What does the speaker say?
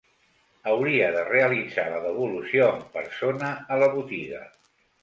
Hauria de realitzar la devolució en persona a la botiga.